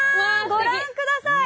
ご覧ください！